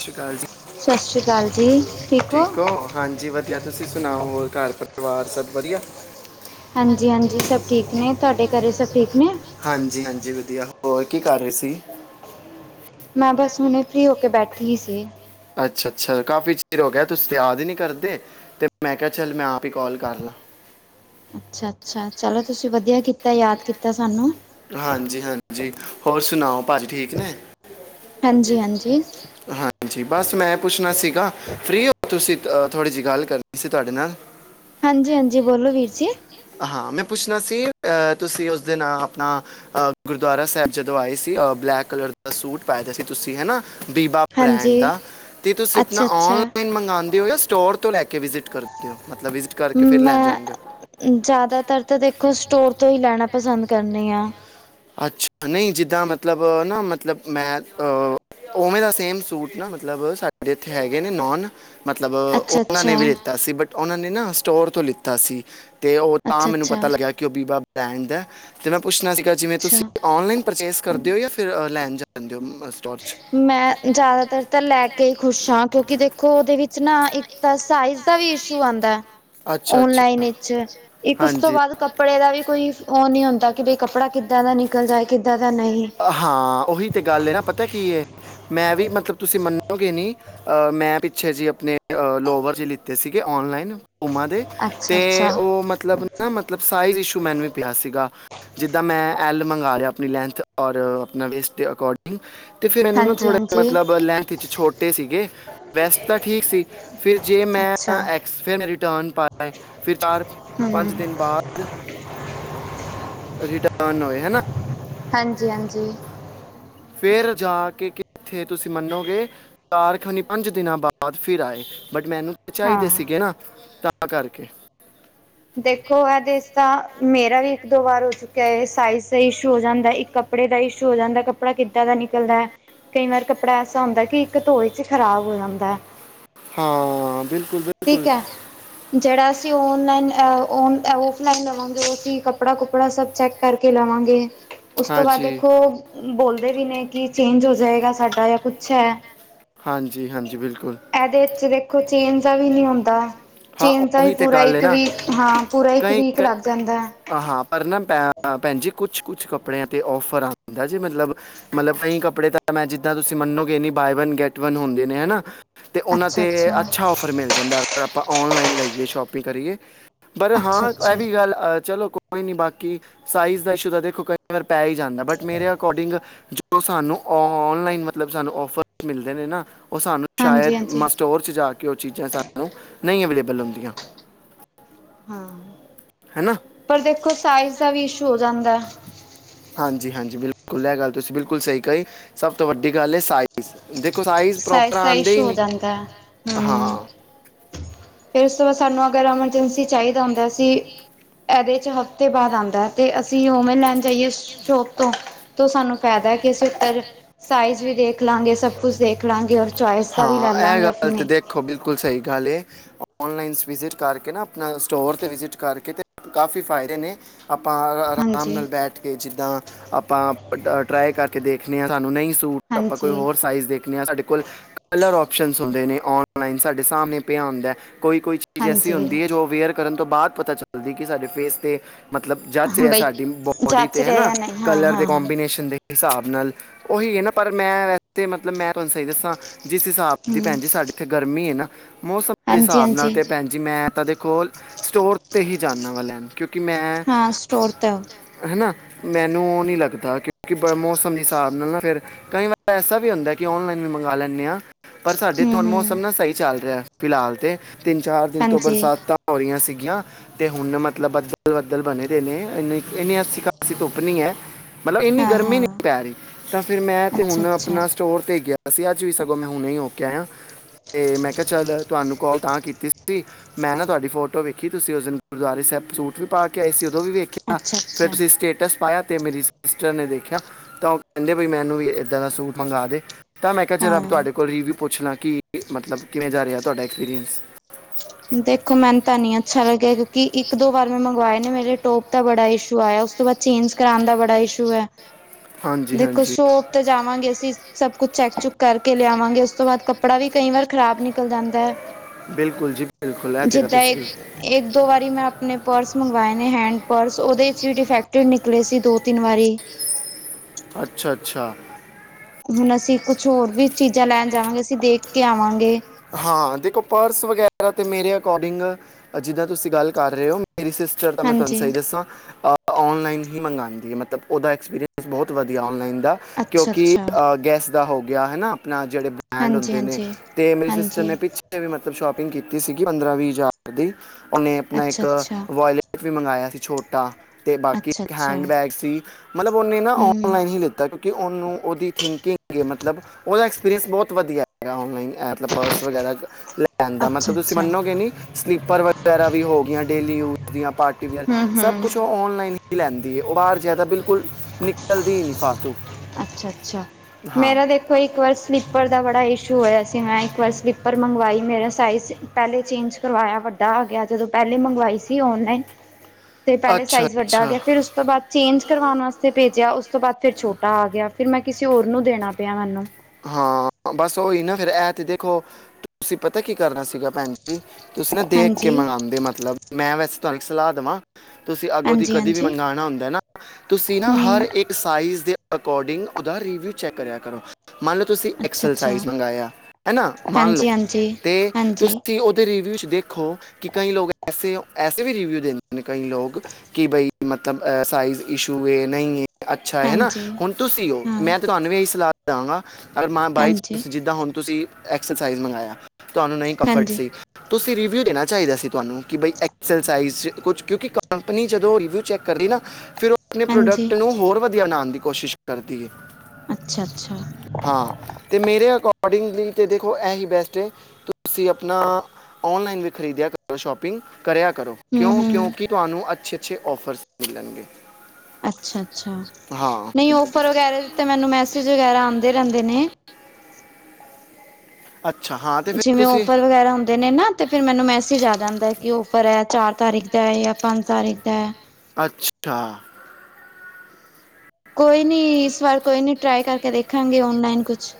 ਸ਼ ਸ੍ਰੀ ਕਾਲ ਜੀ ਸਤਿ ਸ਼ ਸ਼੍ਰੀ ਅਕਾਲ ਸ੍ਰੀ ਕਾਲ ਜੀ ਹੋ ਠੀਕ ਓ ਹਾਂਜੀ ਵਧੀਆ, ਤੁਸੀਂ ਸੁਣਾਓ ਹੋਰ ਘਰ-ਪਰਿਵਾਰ ਸਭ ਵਧੀਆ। ਹਾਂਜੀ-ਹਾਂਜੀ ਸਭ ਠੀਕ ਨੇ ਤੁਆਡੇ ਕਰੇ ਸਭ ਠੀਕ ਨੇ। ਹਾਂਜੀ-ਹਾਂਜੀ ਵਧੀਆ, ਹੋਰ ਕੀ ਕਰ ਰੇ ਸੀ? ਮੈਂ ਬਸ ਹੁਣੇ ਫ੍ਰੀ ਹੋ ਕੇ ਬੈਠੀ ਸੀ। ਅੱਛਾ-ਅੱਛਾ, ਕਾਫੀ ਚਿਰ ਹੋ ਗਿਆ ਤੁਸੀ ਯਾਦ ਈ ਨੀ ਕਰਦੇ ਤੇ ਮੈਂ ਕੇਆ ਚੱਲ ਮੈਂ ਆਪ ਈ ਕੋਲ ਕਰ ਲਾਂ। ਅੱਛਾ-ਅੱਛਾ, ਚਲੋ ਤੁਸੀਂ ਵਧੀਆ ਕੀਤਾ ਯਾਦ ਕੀਤਾ ਸਾਨੂੰ। ਹਾਂਜੀ-ਹਾਂਜੀ, ਹੋਰ ਸੁਣਾਓ ਪਾਜੀ ਠੀਕ ਨੇ। ਹਾਂਜੀ-ਹਾਂਜੀ। ਹਾਂਜੀ ਬਸ ਮੈਂ ਪੁੱਛਣਾ ਸੀਗਾ, ਫ੍ਰੀ ਓ ਤੁਸੀਂ ਥੋੜ੍ਹੀ ਜੀ ਗੱਲ ਕਰਨੀ ਸੀ ਤੁਆਡੇ ਨਾਲ। ਹਾਂਜੀ-ਹਾਂਜੀ ਬੋਲੋ ਵੀਰ ਜੀ ਹਾਂ ਮੈਂ ਪੁੱਛਣਾ ਸੀ ਅਹ ਤੁਸੀਂ ਉਸ ਦਿਨ ਅਪਣਾ ਅ ਗੁਰਦੁਆਰਾ ਸੈਬ ਜਦੋਂ ਆਏ ਸੀ ਅ ਬਲੈਕ ਕਲਰ ਦਾ ਸੂਟ ਪਾਯਾ ਦਾ ਸੀ ਤੁਸੀਂ ਹੈਨਾ ਬੀਬਾ ਬ੍ਰੈਂਡ ਹਾਂਜੀ ਦਾ ਤੇ ਤੁਸੀਂ ਆਪਣਾ ਅੱਛਾ ਅੱਛਾ ਔਨਲਾਈਨ ਮੰਗਾਦੇ ਓ ਯਾਂ ਸਟੋਰ ਤੋਂ ਲੈ ਕੇ ਵਿਜਿਟ ਕਰਦੇ ਓ ਮਤਲਬ ਵਿਜਿਟ ਕਰਕੇ ਫੇਰ ਲੈਣ ਮੈਂ ਜਾਂਦੇ ਓ। ਜ਼ਿਆਦਾਤਰ ਤਾਂ ਦੇਖੋ ਸਟੋਰ ਤੋਂ ਈ ਲੈਣਾ ਪਸੰਦ ਕਰਨੀ ਆ। ਅੱਛਾ, ਨਈ ਜਿੱਦਾਂ ਮਤਲਬ ਨਾ ਮਤਲਬ ਮੈਂ ਅ ਓਵੇਂ ਦਾ ਸੇਮ ਸੂਟ ਨਾ ਮਤਲਬ ਸਾਡੇ ਐੱਥੇ ਹੈਗੇ ਨੇ ਨੋਨ ਮਤਲਬ ਅੱਛਾ ਓਨਾਂ ਨੇ ਅੱਛਾ ਵੀ ਲਿਤਾ ਸੀ ਬਟ ਓਨਾਂ ਨੇ ਨਾ ਸਟੋਰ ਤੋਂ ਲਿੱਤਾ ਸੀ। ਤੇ ਓ ਤਾਂ ਅੱਛਾ ਮੈਨੂੰ ਅੱਛਾ ਪਤਾ ਲੱਗਿਆ ਕਿ ਓ ਬੀਬਾ ਬ੍ਰੈਂਡ ਦਾ ਤੇ ਮੈਂ ਪੁੱਛਣਾ ਸੀਗਾ ਜਿਵੇਂ ਅੱਛਾ ਤੁਸੀਂ ਔਨਲਾਈਨ ਪਰਚੇਸ ਕਰਦੇ ਓ ਯਾਂ ਫਿਰ ਲੈਣ ਜਾਂਣ ਓ। ਮੈਂ ਜ਼ਿਆਦਾਤਰ ਤਾਂ ਲੈ ਕੇ ਈ ਖੁਸ਼ ਹਾਂ ਕਿਉਂਕਿ ਦੇਖੋ ਓਦੇ ਵਿੱਚ ਨਾ ਇੱਕ ਤਾਂ ਸਾਈਜ਼ ਦਾ ਵੀ ਇਸ਼ੂ ਆਂਦਾ ਅੱਛਾ ਅੱਛਾ ਔਨਲਾਈਨ ਇਚ ਇੱਕ ਉਸ ਤੋਂ ਹਾਂਜੀ ਬਾਅਦ ਕੱਪ ਕੱਪੜੇ ਦਾ ਵੀ ਕੋਈ ਓ ਨੀ ਹੁੰਦਾ ਕਿ ਬਈ ਕੱਪੜਾ ਕਿੱਦਾਂ ਦਾ ਨਿਕਲ ਜਾਏ। ਕਿੱਦਾਂ ਦਾ ਨ ਹਾਂ ਓਹੀ ਤੇ ਗੱਲ ਏ ਨਾ ਪ ਤਾ ਕੀ ਏ ਮੈਂ ਵੀ ਮਤਲਬ ਤੁਸੀਂ ਮੰਨੋਗੇ ਨੀ ਅਹ ਮੈਂ ਪਿੱਛੇ ਜੇ ਅਪਣੇ ਲੋਵਰ ਜੇ ਲਿੱਤੇ ਸੀਗੇ ਔਨਲਾਈਨ ਪਯੂਮਾ ਦੇ ਅੱਛਾ ਤੇ ਓ ਮਤਲਬ ਨਾ ਮਤਲਬ ਸਾਈਜ਼ ਇਸ਼ੂ ਮੈਨੂੰ ਵੀ ਪਿਆ ਸੀਗਾ, ਜਿੱਦਾਂ ਮੈਂ ਐਲ ਮੰਗਾ ਲੇਆ ਅਪਨੀ ਲੈਂਥ ਔਰ ਆਪਣਾ ਵੇਸਟ ਦੇ ਅਕੋਡਿੰ ਡਿੰਗ ਤੇ ਫਿਰ ਮੈਨੂੰ ਨਾ ਹਾਂਜੀ ਥੋੜੇ ਹਾਂਜੀ ਮਤਲਬ ਲੈਂਥ 'ਚ ਛੋਟੇ ਸੀਗੇ। ਵੈਸੇ ਤਾਂ ਠੀਕ ਸੀ, ਫਿਰ ਜੇ ਮੈਂ ਅੱਛਾ ਐਕਸ ਫਿਰ ਰਿਟਰਨ ਪਾਏ ਫਿਰ ਚਾਰ ਹਮ ਪੰਜ ਦਿਨ ਬਾਦ ਰਿਟਰਨ ਹੋਏ ਹਨਾ। ਹਾਂਜੀ-ਹਾਂਜੀ। ਫੇਰ ਜਾ ਕੇ ਕਿੱਥੇ ਤੁਸੀਂ ਮੰਨੋਗੇ ਚਾਰ ਖਾਨੀ ਪੰਜ ਦਿਨਾਂ ਬਾਦ ਫਿਰ ਆਏ ਬਟ ਮੈਨੂੰ ਤਾਂ ਚਾਈਦੇ ਹਾਂ ਸੀਗੇ ਨਾ ਤਾਂ ਕਰਕੇ। ਦੇਖੋ ਐਦੇ 'ਚ ਤਾਂ ਮੇਰਾ ਵੀ ਇੱਕ ਦੋ ਵਾਰ ਹੋ ਚੁੱਕੇਆ ਏ ਸਾਈਜ਼ ਦਾ ਇਸ਼ੂ ਹੋ ਜਾਂਦਾ ਇੱਕ ਕੱਪੜੇ ਦਾ ਇਸ਼ੂ ਹੋ ਜਾਂਦਾ ਕੱਪੜੇ ਕਿੱਦਾਂ ਦਾ ਨਿਕਲਦੈ। ਕਈ ਵਾਰ ਕੱਪੜਾ ਐਸਾ ਹੁੰਦਾ ਕਿ ਇੱਕ ਧੋ 'ਚ ਖ਼ਰਾਬ ਹੋ ਜਾਂਦਾ ਐ। ਹਾਂ ਬਿਲਕੁਲ ਬਿਲ ਠੀਕ ਐ? ਜੇੜਾ ਅਸੀਂ ਔਨਲਾਈਨ ਆ ਔਨ ਔਫਲਾਈਨ ਲਵਾਂਗੇ ਓ ਅਸੀਂ ਕੱਪੜਾ ਕੁਪੜਾ ਸਭ ਚੈੱਕ ਕਰਕੇ ਲਵਾਂਗੇ। ਉਸ ਤੋਂ ਬਾਦ ਹਾਂਜੀ ਦੇਖੋ ਬੋਲਦੇ ਵੀ ਨੇ ਕਿ ਚੇਂਜ ਹੋ ਜਾਏਗਾ ਸਾਡਾ ਯਾ ਕੁਛ ਐ। ਹਾਜੀ-ਹਾਜੀ ਬਿਲਕੁਲ। ਐਦੇ 'ਚ ਦੇਖੋ ਚੇਂਜ ਦਾ ਵੀ ਨੀ ਹੁੰਦਾ। ਹਾਂ ਚੇਂਜ ਦਾ ਵੀ ਉਹੀ ਤੇ ਪੂਰਾ ਗੱਲ ਹੈ ਇੱਕ ਨਾ ਵੀਕ ਹਾਂ ਪੂਰਾ ਇੱਕ ਵੀਕ ਲੱਗ ਜਾਂਦਾ ਐ। ਹਾ ਪਰ ਨਾ ਪੈ ਭੈਣ ਜੀ ਕੁਛ-ਕੁਛ ਕੱਪੜਿਆ ਤੇ ਔਫਰ ਆਂਦਾ ਜੇ ਮਤਲਬ ਮਤਲਬ ਕਈ ਕੱਪੜੇ ਤਾਂ ਮੈ ਜਿੱਦਾ ਤੁਸੀਂ ਮੰਨੋਗੇ ਨੀ ਬਾਏ ਵਨ ਗੈਟ ਵਨ ਹੁੰਦੇ ਨੇ ਹਨਾ। ਤੇ ਓਨਾਂ ਤੇ ਅੱਛਾ ਔਫਰ ਮਿਲ ਜਾਂਦਾ ਅਗਰ ਆਪਾਂ ਔਨਲਾਈਨ ਲਈਏ ਸ਼ੋਪਿੰਗ ਕਰੀਏ। ਪਰ ਅੱਛਾ ਹਾਂ ਐ ਅੱਛਾ ਵੀ ਗੱਲ ਅ ਚੱਲੋ ਕੋਈ ਨੀ ਬਾਕੀ ਸਾਈਜ਼ ਦਾ ਇਸ਼ੂ ਤਾਂ ਦੇਖੋ ਪੈ ਈ ਜਾਂਦਾ ਬਟ ਮੇਰੇ ਅਕੋਰਡਿੰਗ ਜੋ ਸਾਨੂੰ ਔਨਲਾਈਨ ਮਤਲਬ ਸਾਨੂੰ ਔਫਰ ਮਿਲਦੇ ਨੇ ਨਾ, ਓ ਸਾਨੂੰ ਸ਼ਾਇਦ ਹਾਂਜੀ ਮੈ ਹਾਂਜੀ ਸਟੋਰ 'ਚ ਜਾ ਕੇ ਓ ਚੀਜ਼ਾ ਸਾਨੂੰ ਨਈ ਅਵੇਲੇਬਲ ਹੁੰਦੀਆ। ਹਾਂ ਹੈਨਾ ਪਰ ਦੇਖੋ ਸਾਈਜ਼ ਦਾ ਵੀ ਇਸ਼ੂ ਹੋ ਜਾਂਦੈ। ਹਾਂਜੀ-ਹਾਂਜੀ ਬਿਲਕੁਲ, ਐ ਗੱਲ ਤੁਸੀ ਬਿਲਕੁਲ ਸਈ ਕਈ ਸਭ ਤੋ ਵੱਡੀ ਗੱਲ ਐ ਸਾਈਜ਼ ਜ਼ ਦੇਖੋ ਸਾਈਜ ਪ੍ਰੋਪਰ ਸਾਈਜ਼ ਦਾ ਆਂਦੇ ਇਸ਼ੂ ਈ ਹੋ ਨਈ। ਜਾਂਦਾ ਹੈ। ਹਮ ਫਿਰ ਉਸ ਤੋ ਬਾਦ ਸਾਨੂੰ ਅਗਰ ਐਮਰਜੈਂਸੀ ਚਾਈਦਾ ਹੁੰਦਾ ਅਸੀਂ ਐਦੇ 'ਚ ਹਫ ਤੇ ਬਾਦ ਆਂਦੈ। ਤੇ ਅਸੀ ਓਵੇਂ ਲੈਨ ਜਾਈਏ ਸ਼ੌਪ ਤੋਂ, ਤੋਂ ਓ ਸਾਨੂੰ ਫੈਦਾ ਐ ਕਿ ਅਸੀਂ ਓਧਰ ਸਾਈਜ਼ ਵੀ ਦੇਖ ਲਾਂਗੇ, ਸਭ ਕੁਝ ਦੇਖ ਲਾਂਗੇ ਔਰ ਚੋਇਸ ਦਾ ਵੀ ਲੈ ਹਾਂ ਇਹ ਲਾਂਗੇ ਗੱਲ ਤੇ ਅਪਨੀ। ਦੇਖੋ ਬਿਲਕੁਲ ਸਈ ਗੱਲ ਏ। ਔਨਲਾਈਨ ਵਿਜਿਟ ਕਰਕੇ ਨਾ, ਅਪਨਾ ਸਟੋਰ ਤੇ ਵਿਜਿਟ ਕਰਕੇ ਤੇ ਕਾਫੀ ਫਾਇਦੇ ਨੇ। ਆਪਾ ਆਰਾਮ ਹਾਂਜੀ ਨਾਲ ਬੈਠ ਕੇ ਜਿੱਦਾ ਆਪਾ ਟਰਾਈ ਕਰਕੇ ਦੇਖਨੇ ਆਂ ਸਾਨੂੰ ਨਈ ਸੂਟ ਤੇ ਆਪਾਂ ਕੋਈ ਹਾਂਜੀ ਹੋਰ ਸਾਈਜ ਦੇਖਨੇ ਆਂ ਸਾਡੇ ਕੋਲ ਕਲਰ ਓਪਸ਼ਨਸ ਹੁੰਦੇ ਨੇ ਔਨਲਾਈਨ ਸਾਡੇ ਸਾਮਨੇ ਪੇਆ ਹੁੰਦੈ ਕੋਈ-ਕੋਈ ਚੀਜ ਐਸੀ ਹਾਂਜੀ ਹੁੰਦੀ ਏ ਜੋ ਵੇੇਅਰ ਕਰਨ ਤੋ ਬਾਦ ਪਤਾ ਚੱਲਦੀ ਕਿ ਸਾਡੇ ਫੇਸ ਤੇ ਮਤਲਬ ਜੱਚ ਰਯਾ ਬਈ ਸਾਡੀ ਬੋਡੀ ਜਚ ਤੇ ਰਿਹਾ ਹਨਾ, ਜਾਂ ਨਹੀਂ ਹਾਂ ਕਲਰ ਦੇ ਹਾਂ ਹਾਂ ਕੋਬੀਨੇਸ਼ਨ ਦੇ ਹਿਸਾਬ ਨਾਲ ਓਹੀ ਹੈ ਨਾ ਪਰ ਮੈ ਵੈਸੇ ਮਤਲਬ ਮੈ ਤੁਆਨੂੰ ਸਈ ਦੱਸਾ ਜਿਸ ਹਿਸਾਬ ਦੀ ਹਮ ਭੈਣ ਜੀ ਸਾਡੇ ਇੱਥੇ ਗਰਮੀ ਹੈ ਨਾ, ਮੌਸਮ ਦੇ ਹਾਂਜੀ ਹਿਸਾਬ ਨਾਲ ਹਾਂਜੀ ਤਾ ਭੈਣ ਜੀ ਮੈ ਤਾ ਦੇ ਕੋੋਲ ਸਟੋਰ ਤੇ ਹੀ ਜਾਨਾ ਵਾ ਲੈਨ ਕਿਉਕਿ ਮੈਂ ਹਾਂ ਸਟੋਰ ਤੋਂ ਹੈ ਨਾ ਮੈਨੂੰ ਨੀ ਲੱਗਦਾ ਕਿ ਕਿਉਂਕਿ ਮੌਸਮ ਹਿਸਾਬ ਨਾਲ ਨਾ ਫੇਰ ਕਈ ਵਾਰ ਐਸਾ ਵੀ ਹੁੰਦਾ ਕਿ ਔਨਲਾਈਨ ਵੀ ਮੰਗਵਾ ਲੈਨੇ ਆ। ਪਰ ਸਾਡੇ ਹਮ ਇੱਥੇ ਹੁਨ ਹਮ ਮੌਸਮ ਨਾ ਸਹੀ ਚੱਲ ਰੈਐ, ਫਿਲਹਾਲ ਤੇ, ਤਿੰਨ- ਚਾਰ ਦਿਨ ਤੋ ਹਾਂਜੀ ਬਰਸਾਤਾ ਹੋਈਆ ਸੀਗੀਆ, 'ਤੇ ਹੁਨ ਨਾ ਮਤਲਬ ਬੱਦਲ-ਬੱਦਲ ਬੱਦਲ ਬਨੇ ਦੇ ਨੇ, ਏਂਨੀ-ਏੰਨੀ ਅੱਛੀ ਖਾਸੀ ਧੁੱਪ ਨਈਂ ਐ। ਮਤਲਬ ਇੰਨੀ ਹਾਂ ਗਰਮੀ ਨੀ ਹਾਂ ਪੈ ਰੀ, ਤਾ ਫਿਰ ਮੈ, 'ਤੇ ਅੱਛਾ ਹੁਨ ਅੱਛਾ ਅਪਨਾ ਸਟੋਰ ਤੇ ਗਿਆ। ਅਸੀ ਅੱਜ ਵੀ ਸਗੋ ਮੈ ਹੁਨੇ ਈ ਹੋ ਕੇ ਆਇਆ, 'ਤੇ ਮੈ ਕੇਆ ਚੱਲ, ਤੁਹਾਨੂੰ ਕੌਲ ਤਾ ਕੀਤੀ ਸੀ। ਮੈ ਨਾ ਤੁਹਾਡੀ ਫੋਟੋ ਵੇਖੀ, ਤੁਸੀ ਉਸ ਦਿਨ ਗੁਰਦੁਆਰੇ ਸਾਇਬ ਸੂਟ ਵੀ ਪਾ ਕੇ ਆਏ ਸੀ ਉਦੋ ਵੀ ਵੇਖਿਆ, ਅੱਛਾ ਫਿਰ ਅੱਛਾ ਤੁਸੀ ਸਟੇਟਸ ਪਾਇਆ 'ਤੇ ਮੇਰੀ ਸਿਸਟਰ ਨੇ ਦੇਖਿਆ, ਤਾ ਉਹ ਕੈਂਦੇ, ਬਈ ਮੈਨੂੰ ਵੀ ਏਦਾ ਦਾ ਸੂਟ ਮੰਗਾ ਦੇ। ਤਾ ਮੈ ਕੇਆ, ਚਲੋ ਹਾਂ ਤੁਹਾਡੇ ਕੋਲ ਰਿਵਿਊ ਪੁੱਛ ਲਾ ਕਿ, ਮਤਲਬ ਕਿਵੇ ਦਾ ਰੇਆ ਤੁਹਾਡਾ ਐਕਸਪੀਰੀਅੰਸ? ਦੇਖੋ, ਮੈਨੂੰ ਤਾ ਨੀ ਅੱਛਾ ਲੱਗੇਆ, ਕਿਉਕਿ ਇੱਕ-ਦੋ ਵਾਰ ਮੈ ਮੰਗਵਾਏ ਨੇ ਮੇਰੇ ਟੋਪ। ਦਾ ਬੜਾ ਇਸ਼ੂ ਆਇਆ, ਉਸ ਤੋ ਬਾਦ ਚੇਂਜ ਕਰਾਨ ਦਾ ਬੜਾ ਇਸ਼ੂ ਐ, ਹਾਂਜੀ ਦੇਖੋ ਹਾਂਜੀ ਸ਼ੋਪ 'ਤੇ ਜਾਵਾਗੇ ਅਸੀ, ਸਬ ਕੁਛ ਚੈਕ- ਚੁੱਕ ਕਰਕੇ ਲਿਆਵਾਗੇ, ਉਸ ਤੋ ਬਾਦ ਕੱਪੜਾ ਵੀ ਕਈ ਵਾਰ ਖਰਾਬ ਨਿਕਲ ਜਾਂਦੈ। ਬਿਲਕੁਲ ਜੀ। ਬਿਲਕੁਲ ਇਹ ਤੇ ਗੱਲ ਜਿੱਦਾ ਇੱਕ, ਤੁਸੀਂ ਇੱਕ- ਦੋ ਵਾਰੀ ਮੈ ਅਪਨੇ ਪਰਸ ਮੰਗਵਾਏ ਨੇ, ਹੈਂਡ-ਪਰਸ, ਓਦੇ ਵਿੱਚ ਵੀ ਡਿਫੈਕਟਿਡ ਨਿਕਲੇ ਸੀ ਦੋ- ਤਿੰਨ ਵਾਰੀ। ਅੱਛਾ -ਅੱਛਾ। ਹੁਨ ਅਸੀ ਕੁਛ ਹੋਰ ਵੀ ਚੀਜਾ ਲੈਨ ਜਾਵਾਂਗੇ, ਅਸੀ ਦੇਖ ਕੇ ਆਵਾਗੇ। ਹਾ, ਦੇਖੋ, ਪਰਸ ਵਗੈਰਾ 'ਤੇ ਮੇਰੇ ਅਕੋਡਿੰਗ, ਜਿੱਦਾ ਤੁਸੀ ਗੱਲ ਕਰ ਰੇ ਓ। ਮੇਰੀ ਸਿਸਟਰ ਤਾਂ ਮੈਂ ਤੁਆਨੂੰ ਹਾਂਜੀ ਸਹੀ ਦੱਸਾ ਔਨਲਾਈਨ ਈ ਮੰਗਾਂਦੀ ਏ, ਮਤਲਬ ਓਦਾ ਐਕਸਪੀਰੀਅੰਸ ਬੋਤ ਵਦੀਆ ਔਨਲਾਈਨ ਦਾ। ਅੱਛਾ ਕਿਉਂਕਿ ਅੱਛਾ ਅਹ ਗੈਸ ਦਾ ਹੋ ਗਿਆ ਹੈਨਾ, ਆਪਣਾ ਜੇੜੇ ਬ੍ਰੈਂਡ ਹਾਂਜੀ ਹੁੰਦੇ ਨੇ, ਹਾਂਜੀ 'ਤੇ ਮੇ ਹਾਂਜੀ ਪਿੱਛੇ ਵੀ ਮਤਲਬ ਸ਼ੋਪਿੰਗ ਕੀਤੀ ਸੀਗੀ ਪੰਦਰਾਂ-ਵੀਹ ਹਜ਼ਾਰ ਦੀ, ਓਨੇ ਅਪਨਾ ਅੱਛਾ ਇੱਕ ਅੱਛਾ ਵਾਇ ਵੀ ਮੰਗਾਇਆ ਸੀ ਛੋਟਾ 'ਤੇ ਬਾਕੀ ਅੱਛਾ ਹੈਂਡ ਅੱਛਾ ਬੈਗ ਸੀ, ਮਤਲਬ ਉਨੇ ਨਾ ਹਮ ਔਨਲਾਈਨ ਹੀ ਲਿੱਤਾ। ਕਿ ਉਨੂੰ ਉਦੀ ਥਿੰਕਿੰਗ ਹੈਗੀ, ਮਤਲਬ ਉਦਾ ਐਕਸਪੀਰੀਅੰਸ ਬੋਤ ਵਦੀਆ ਹੈਗਾ ਔਨਲਾਈਨ ਐਪ। ਪਰਸ ਵਗੈਰਾ ਲੈਂਦਾ, ਮਤਲਬ ਤੁਸੀਂ ਅੱਛਾ-ਅੱਛਾ ਮੰਨੋਗੇ ਨੀ, ਸਲੀਪਰ ਵਗੈਰਾ ਵੀ ਹੋ ਗਿਆ, ਡੇਲੀ ਯੂਜ ਦੀਆਂ, ਪਾਰਟੀਵੀਅਰ ਸਭ ਹਮ-ਹਮ ਕੁਛ ਓ ਓਨਲਾਈਨ ਈ ਲੈਂਦੀ ਏ, ਉਹ ਬਾਰ ਜਾਦਾ ਬਿਲਕੁਲ ਨਿਕਲਦੀ ਈ ਨੀ ਫਾਲਤੂ, ਹਾਂ। ਕੋਈ ਇੱਕ ਵਾਰੀ ਸਲੀਪਰ ਦਾ ਬੜਾ ਇਸ਼ੂ ਹੋਇਆ ਸੀ, ਮੈਂ ਇੱਕ ਵਾਰ ਸਲੀਪਰ ਮੰਗਵਾਈ ਮੇਰਾ ਸਾਈਜ਼ ਪੈਲੇ ਚੇਂਜ ਕਰਵਾਇਆ, ਵੱਡਾ ਆ ਗਿਆ ਜਦੋਂ ਪੈਲੇ ਮੰਗਵਾਈ ਸੀ ਔਨਲਾਈਨ। ਤੇ ਪੈਲੇ ਅੱਛਾ ਸਾਈਜ਼ ਵੱਡਾ ਆ ਅੱਛਾ ਗਿਆ, ਫਿਰ ਉਸ ਤੋਂ ਬਾਦ ਚੇਂਜ ਕਰਵਾਨ ਵਾਸ 'ਤੇ ਭੇਜਿਆ, ਉਸ ਤੋਂ ਬਾਦ ਫਿਰ ਛੋਟਾ ਆ ਗਿਆ, ਫਿਰ ਮੈਂ ਕਿਸੇ ਹੋਰ ਨੂੰ ਦੇਨਾ ਪੇਆ ਮੈਨੂੰ। ਹਾਂ, ਬਸ ਓਈ ਨਾ ਫੇਰ ਐ ਤੇ ਦੇਖੋ, ਤੁਸੀਂ ਪਤਾ ਕੀ ਕਰਨਾ ਸੀਗਾ, ਭੈਨ ਹੂੰ, ਤੁਸੀਂ ਨਾ ਦੇਖ ਕੇ ਹਾਂਜੀ ਮੰਗਾਂਦੇ ਮਤਲਬ, ਮੈਂ ਵੈਸੇ ਤੁਆਨੂੰ ਸਲਾਹ ਦੇਵਾਂ ਤੁਸੀਂ ਅੱਗੋਂ ਦੀ ਹਾਂਜੀ ਕਦੇ ਵੀ ਹਾਂਜੀ ਮੰਗਾਂਨਾ ਹੁੰਦੈ ਨਾ, ਤੁਸੀਂ ਨਾ ਹਰ ਹਮ ਇੱਕ ਸਾਈਜ਼ ਦੇ ਅਕੋਡਿੰਗ ਉਦਾ ਰਿਵਿਊ ਚੈੱਕ ਕਰਿਆ ਕਰੋ। ਮੰਨ ਲਓ, ਤੁਸੀਂ ਐਕਸਲ ਅੱਛਾ-ਅੱਛਾ ਸਾਈਜ਼ ਮੰਗਾਇਆ, ਹੈਨਾ? ਮੰਨ ਲਓ। ਹਾਂਜੀ ਹਾਂਜੀ 'ਤੇ ਹਾਂਜੀ ਤੁਸੀਂ ਓਦੇ ਰਿਵਿਊ 'ਚ ਦੇਖ ਖੋ, ਕਿ ਕਈ ਲੋਗ ਐਸੇ-ਐਸੇ ਵੀ ਰਿਵਿਊ ਦਿੰਦੇ ਨੇ ਕਈ ਲੋਗ। ਕਿ ਬਈ, ਮਤਲਬ ਸਾਈਜ਼ ਇਸ਼ੂ ਏ, ਨਈ ਏ। ਅੱਛਾ ਹੈਨਾ, ਹਾਂਜੀ ਹੁਨ ਤੁਸੀਂ ਓ, ਹਾਂ ਮੈਂ 'ਤੇ ਤੁਹਾਨੂੰ ਵੀ ਏਈ ਸਲਾਹ ਦਾਂਗਾ, ਅਹ ਮੈਂ ਬਾਈ ਹਾਂਜੀ ਚਾਂਸ ਜਿੱਦਾਂ ਹੁਨ ਤੁਸੀਂ ਐਕਸਲ ਸਾਈਜ਼ ਮੰਗਾਇਆ, ਤੁਆਨੂੰ ਨਈ ਕੰਫਰਡ ਹਾਂਜੀ ਸੀ, ਤੁਸੀਂ ਰਿਵਿਊ ਦੇਨਾ ਚਾਈਦਾ ਸੀ ਤੁਆਨੂੰ ਕਿ ਬਈ ਐਕਸਲ ਸਾਈਜ਼ 'ਚ ਕੁਛ ਕਿਉਂਕਿ ਕੰਪਨੀ ਜਦੋਂ ਰਿਵਿਊ ਚੈੱਕ ਕਰਦੀ ਨਾ ਫਿਰ ਓ ਆਪਨੇ ਪ੍ਰੋਡਕਟ ਹਾਂਜੀ ਨੂੰ ਹੋਰ ਵਧੀਆ ਬਨਾਣ ਦੀ ਕੋਸ਼ਿਸ਼ ਕਰਦੀ ਐ। ਅੱਛਾ-ਅੱਛਾ। ਤੇ ਮੇਰੇ ਅਕੋਡਿੰਗਲੀ ਤੇ ਦੇਖੋ ਐ ਹੀ ਬੈਸਟ ਏ ਤੁਸੀਂ ਆਪਨਾ ਓਨਲਾਈਨ ਵੀ ਖਰੀਦੇਆ ਕਰੋ ਸ਼ੋਪਿੰਗ ਕਰੇਆ ਕਰੋ। ਕੇਉਂ ਹੂੰ-ਹੂੰ, ਕਿਉਂਕਿ ਤੁਆਨੂੰ ਅੱਛੇ-ਅੱਛੇ ਔਫਰਸ ਮਿਲਨਗੇ। ਅੱਛਾ-ਅੱਛਾ ਨਈਂ ਔਫਰ ਵਗੈਰੇ ਦੇ ਤਾਂ ਮੈਨੂੰ ਮੈਸੇਜ ਵਗੈਰਾ ਆਂਦੇ ਰੈਂਦੇ ਨੇ [inaudible] ਅੱਛਾ ਹਾਂ ਤੇ ਫਿਰ ਜਿਵੇਂ ਤੁਸੀਂ ਔਫਰ ਵਗੈਰਾ ਹੁੰਦੇ ਨੇ ਨਾ ਤੇ ਫਿਰ ਮੈਨੂੰ ਮੈਸੇਜ ਆ ਜਾਂਦੈ ਕਿ, ਔਫਰ ਐ, ਚਾਰ ਤਾਰੀਕ ਦੈ ਯਾ ਪੰਜ ਤਾਰੀਕ ਦੈ। ਅੱਛਾ ਕੋਈ ਨੀਂ, ਇਸ ਵਾਰ ਕੋਈ ਨੀ ਟਰਾਈ ਕਰਕੇ ਦੇਖਾਂਗੇ ਓਨਲਾਈਨ ਕੁਛ।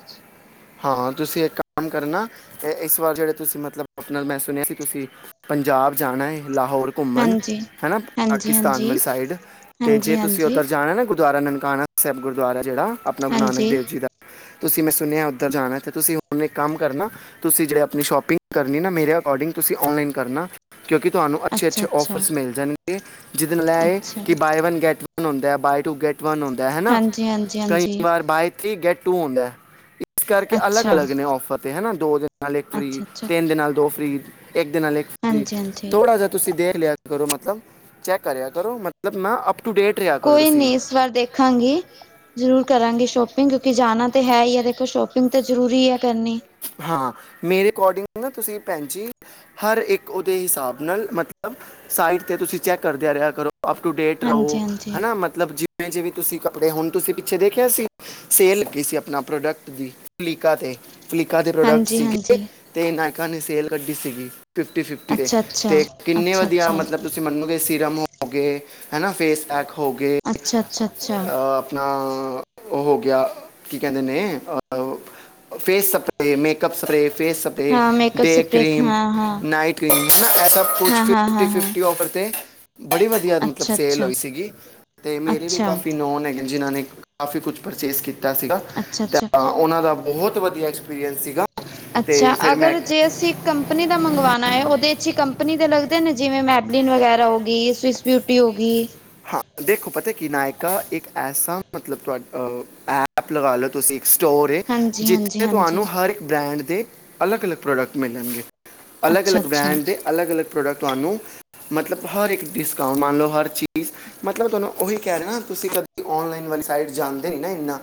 ਹਾਂ, ਤੁਸੀਂ ਇੱਕ ਕੰਮ ਕਰਨਾ, ਏ, ਇਸ ਵਾਰ ਜੇੜੇ ਤੁਸੀਂ ਮਤਲਬ ਆਪਨਾ ਮੈਂ ਸੁਨੇਆ ਸੀ ਤੁਸੀਂ ਪੰਜਾਬ ਜਾਨਾ ਏ ਲਾਹੌਰ ਘੁੰਮਨ ਹਾਂਜੀ। ਹੈਨਾ ਪਾਕਿਸਤਾਨ ਹਾਂਜੀ-ਹਾਂਜੀ, ਵਾਲੀ ਸਾਈਡ ਤੇ ਜੇ ਤੁਸੀਂ ਹਾਂਜੀ-ਹਾਂਜੀ, ਓਧਰ ਜਾਣਾ ਨਾ ਗੁ ਗੁਰਦੁਆਰਾ ਨਨਕਾਣਾ ਸੈਬ ਗੁਰਦੁਆਰਾ ਜੇੜਾ ਆਪਨਾ ਗੁਰੂ ਨਾਨਕ ਹਾਂਜੀ ਦੇਵ ਜੀ ਦਾ ਤੁਸੀਂ ਮੈਂ ਸੁਨੇਆ ਓਧਰ ਜਾਣੈ ਤੇ ਤੁਸੀਂ ਹੁਨ ਇੱਕ ਕੰਮ ਕਰਨਾ ਤੁਸੀ ਜੇੜੀ ਆਪਨੀ ਸ਼ੋਪਿੰਗ ਕਰਨੀ ਨਾ, ਮੇਰੇ ਅਕੋਡਿੰਗ ਤੁਸੀਂ ਓਨਲਾਈਨ ਕਰਨਾ ਕੇਓਂਕਿ ਤੁਆਨੂੰ ਅੱਛੇ-ਅੱਛੇ ਅੱਛਾ-ਅੱਛਾ। ਔਫਰਸ ਮਿਲ ਜਾਨਗੇ, ਜਿਦੇ ਨਾਲ ਐ ਅੱਛਾ, ਕਿ buy one get buy two get one ਹੁੰਦੈ ਹਨਾ, ਹਾਂਜੀ-ਹਾਂਜੀ, ਹਾਂਜੀ, ਹਾਂਜੀ ਕਈ ਹਾਂਜੀ ਵਾਰ ਬਾਏ ਥਰੀ ਗੈਟ ਟੂ ਹੁੰਦੈ ਇਸ ਕਰਕੇ ਅੱਛਾ, ਅਲੱਗ-ਅਲੱਗ ਨੇ ਔਫਰ ਤੇ ਹਨਾ ਦੋ ਦੇ ਨਾਲ ਇੱਕ ਫ੍ਰੀ, ਅੱਛਾ-ਅੱਛਾ। ਤਿੰਨ ਦੇ ਨਾਲ ਦੋ ਫ੍ਰੀ ਏਕ ਦੇ ਨਾਲ ਏਕ ਫ੍ਰੀ, ਹਾਂਜੀ-ਹਾਂਜੀ। ਥੋੜਾ ਜਾ ਤੁਸੀ ਦੇਖ ਲੇਆ ਕਰੋ, ਮਤਲਬ ਚੈੱਕ ਕਰੇਆ ਕਰੋ, ਮਤਲਬ ਨਾ ਅਪ ਟੂ ਡੇਟ ਰਿਹਾ ਕਰੋ ਕੋਈ ਤੁਸੀਂ ਨੀਂ, ਇਸ ਵਾਰ ਦੇਖਾਂਗੀ। ਜਰੂਰ ਕਰਾਂਗੇ ਸ਼ੋਪਿੰਗ ਕਿਉਂਕਿ ਜਾਨਾ ਤੇ ਹੈ ਈ ਐ, ਦੇਖੋ ਸ਼ੋਪਿੰਗ ਤੇ ਜਰੂਰੀ ਐ ਕਰਨੀ। ਹਾਂ, ਮੇਰੇ ਅਕੋਡਿੰਗ ਨਾ ਤੁਸੀਂ ਭੈੰਜੀ ਹਰ ਇੱਕ ਓਦੇ ਹਿਸਾਬ ਨਾਲ ਮਤਲਬ ਸਾਈਟ ਤੇ ਤੁਸੀ ਚੈੱਕ ਕਰਦੇਆ ਰੇਆ ਕਰੋ। ਅਪ ਟੂ ਡੇਟ ਹਾਂਜੀ ਰਓ, ਹਾਂਜੀ ਹਨਾ ਮਤਲਬ ਜਿਵੇਂ-ਜਿਵੇਂ ਤੁਸੀ ਕੱਪੜੇ ਹੁਨ ਤੁਸੀਂ ਪਿੱਛੇ ਦੇਖੇਆ ਸੀ ਸੇਲ ਲੱਗੀ ਸੀ, ਆਪਨਾ ਪ੍ਰੋਡਕਟ ਦੀ ਲੀਕਾ ਤੇ ਲੀਕਾ ਦੇ ਪ੍ਰੋਡਕਟ ਹਾਂਜੀ ਸੀਗੇ, ਹਾਂਜੀ ਤੇ ਨਾਏਕਾ ਨੇ ਸੇਲ ਕੱਢੀ ਸੀਗੀ। ਫਿਫਟੀ-ਫਿਫਟੀ ਦੇ ਅੱਛਾ ਅੱਛਾ ਤੇ ਕਿੰਨੇ ਅੱਛਾ ਵਦੀਆ ਅੱਛਾ ਮਤਲਬ ਤੁਸੀਂ ਮੰਨੋਗੇ, ਸੀਰਮ ਹੋਗੇ, ਹੈਨਾ ਫੇਸ ਪੈਕ ਹੋਗੇ ਅੱਛਾ ਅੱਛਾ ਅੱਛਾ ਅ ਆਪਨਾ ਓ ਹੋ ਗੇਆ, ਕੀ ਕੇਂਦੇ ਨੇ, ਅ ਫੇਸ ਸ [unintelligible] ਮੇਕਅਪ ਸਪਰੇ, ਫੇਸ ਸਪਰੇ, ਹਾਂ ਮੇਕਅਪ ਡੇ ਸਪਰੇ ਕਰੀਮ ਹਾਂ ਹਾਂ ਨਾਈਟ ਕਰੀਮ [unintelligible] ਐ ਸਬ ਕੁਛ ਹਾਂ ਹਾਂ ਹਾਂ ਫਿਫਟੀ- ਹਾਂ ਫਿਫਟੀ ਔਫਰ ਤੇੇ ਬੜੀ ਵਦੀਆ ਮਤਲਬ ਅੱਛਾ ਸੇਲ ਅੱਛਾ ਹੋਈ ਸੀਗੀ, ਤੇ ਮੇਰੇ ਵੀ ਅੱਛਾ ਕਾਫੀ ਨੋਨ ਹੈਗੇ ਜਿੰਨਾਂ ਨੇ ਕਾਫੀ ਕੁਛ ਪਰਚੇਸ ਕੀਤਾ ਸੀਗਾ, ਅੱਛਾ ਅੱਛਾ ਤਾਂ ਓਨਾਂ ਦਾ ਬੋਹਤ ਵਦੀਆ ਐਕਸਪੀਰੀਅੰਸ ਸੀਗਾ। ਤੇ ਅੱਛਾ, ਫਿਰ ਮੈਂ ਅਗਰ ਜੇ ਅਸੀ ਕੰਪਨੀ ਦਾ ਮੰਗਵਾਨਾ ਐ ਓਦੇ 'ਚ ਕੰਪਨੀ ਦੇ ਲੱਗਦੇ ਨੇ, ਜਿਵੇਂ ਮੈਬਲੀਨ ਵਗੈਰਾ ਹੋਗੀ ਸਵਿਸ ਬਿਊਟੀ ਹੋ ਗੀ ਹਾਂ, ਦੇਖੋ ਪਤਾ ਕਿ ਨਾਏਕਾ ਇੱਕ ਐਸਾ ਮਤਲਬ ਤੁਆਡਾ ਐਪ ਲਗਾ ਲੋ ਤੁਸੀ, ਇੱਕ ਸਟੋਰ ਏ। ਹਾਂਜੀ ਹਾਂਜੀ ਜਿੱਥੇ ਤੁਆਨੂੰ ਹਾਂਜੀ ਹਰ ਇੱਕ ਬ੍ਰੈਂਡ ਦੇ ਅਲੱਗ-ਅਲੱਗ ਪ੍ਰੋਡਕਟ ਮਿਲਨਗੇ। ਅੱਛਾ ਅਲੱਗ-ਅਲੱਗ ਅੱਛਾ ਬ੍ਰੈੰਡ ਦੇ ਅਲੱਗ-ਅਲੱਗ ਪ੍ਰੋਡਕਟ ਤੁਆਨੂੰ ਮਤਲਬ ਹਰ ਇੱਕ ਡਿਸਕਾਊਂ, ਮੰਨ ਲਓ ਹਰ ਚੀਜ਼ ਮਤਲਬ ਤੁਆਨੂੰ ੳਈ ਕੈ ਰਏ ਨਾ ਤੁਸੀ ਕਦੇ ਔਨਲਾਈਨ ਵਾਲੀ ਸਾਈਡ ਜਾਂਦੇ ਨੀ ਨਾ ਏਨਾ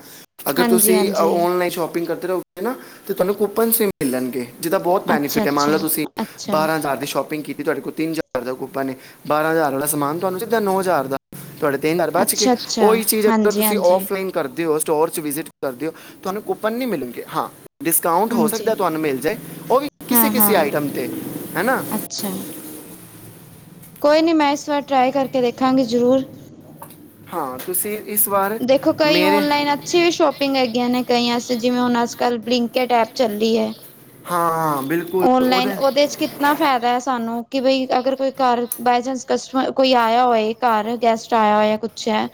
ਅਗਰ ਹਾਂਜੀ ਤੁਸੀ ਹਾਂਜੀ ਔਨਲਾਈਨ ਸ਼ੋਪਿੰਗ ਕਰਦੇ ਰੳਗੇ ਨਾ ਤੇ ਤਾਨੂ ਕੂਪਨਸ ਵੀ ਮਿਲਨਗੇ ਜਿਦਾ ਬੋਤ ਅੱਛਾ ਬੈਨੀਫਿਟ ਐ, ਮਨ ਅੱਛਾ ਲੋ ਤੁਸੀ ਅੱਛਾ ਬਾਰਾਂ ਹਜਾਰ ਦੀ ਸ਼ੋਪਿੰਗ ਕੀਤੀ ਤੁਆਡੇ ਕੋਲ ਤਿੰਨ ਹਜ਼ਾਰ ਦਾ ਕੂਪਨ ਏ, ਬਾਰਾਂ ਹਜਾਰ ਵਾਲਾ ਸਮਾਨ ਤਾਨੂੰ ਸਿੱਧਾ ਨੌ ਹਜ਼ਾਰ ਦਾ ਤੁਆਡੇ ਤਿੰਨ ਹਜਾਰ ਬੱਚ ਗੇ, ਅੱਛਾ ਅੱਛਾ ੳਈ ਚੀਜ ਅਗਰ ਹਾਂਜੀ ਤੁਸੀ ਹਾਂਜੀ ਔਫਲਾਈਨ ਕਰਦੇ ੳ, ਸਟੋਰ ਚ ਵਿਜਿਟ ਕਰਦੇ ੳ, ਤਾਨੂੰ ਕੂਪਨ ਨਈ ਮਿਲਣਗੇ ਹਾਂ ਡਿਸਕਾਊਂਟ ਹੋ ਹਾਂਜੀ ਸਕਦਾ ਤਾਨੂੰ ਮਿਲ ਜਾਏ ੳਹ ਵੀ ਹਾਂ ਕਿਸੇ-ਕਿਸੇ ਹਾਂ ਆਈਟਮ ਤੇ ਹੈਨਾ। ਅੱਛਾ। ਕੋਈ ਨਈ ਮੈਂ ਇਸ ਵਾਰ ਟਰਾਈ ਕਰਕੇ ਦੇਖਾਂਗੀ ਜਰੂਰ। ਹਾਂ ਤੁਸੀ ਦੇਖੋ ਕਈ ਔਨਲਾਈਨ ਅੱਛੀ ਵੀ ਸ਼ੋਪਿੰਗ ਹੈਗੀਆਂ ਨੇ ਕਈਆਂ ਵਾਸਤੇ ਜਿਵੇਂ ਅਸ ਕਲ ਬਲਿੰਕਟ ਐਪ ਚੱਲੀ ਐ। ਹਾਂ ਬਿਲਕੁਲ ਔਨਲਾਈਨ ਉਹਦੇ ੳਦੇ ਚ ਕਿ ਕਿਨਾ ਫੈਦਾ ਐ ਸਾਨੂੰ ਕਿ ਬਈ ਅਗਰ ਕੋਈ ਘਰ ਬਾਏ ਚਾਂਸ ਕਸਟਮਰ ਕੋਈ ਆਏਆ ਹੋਏ ਘਰ ਗੈਸਟ ਆਏਆ ਹੋਏਆ ਕੁਛ ਐ,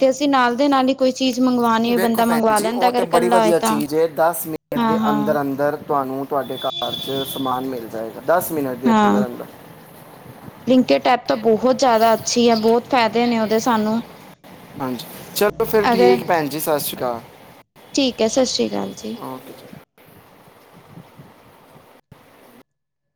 ਤੇ ਅਸੀ ਨਾਲ ਦੇ ਨਾਲ ਈ ਕੋਈ ਚੀਜ ਮੰਗਵਾਨੀ ਹੋਏ ਦੇਖੋ ਬੰਦਾ ਭੈਣ ਮੰਗਵਾ ਜੀ ਲੈਂਦਾ ਉਹ ਤੇ ਅਗਰ ਬੜੀ ਕੱਲਾ ਹੋਏ ਵਧੀਆ ਤਾਂ। ਚੀਜ਼ ਹਾਂ-ਹਾਂ। ਤੁਵਾਨੂੰ ਤੁਆਡੇ ਘਰ ਚ ਸਮਾਨ ਮਿਲ ਜਾਏਗਾ ਦਸ ਮਿਨਟ ਹਾਂ। ਬਲਿੰਕੇਟ ਐਪ ਤਾਂ ਬੋਹਤ ਜਾਦਾ ਅੱਛੀ ਆ, ਬੋਤ ਫੈਦੇ ਨੇ ੳਦੇ ਸਾਨੂੰ। ਹਾਂਜੀ ਚਲੋ ਫੇਰ ਅਗਰ ਠੀਕ ਭੈਨ ਜੀ, ਸਤਿ ਸ਼੍ਰੀ ਅਕਾਲ। ਠੀਕ ਐ, ਸਤਿ ਸ਼੍ਰੀ ਅਕਾਲ ਜੀ। ਓਕੇ ਜੀ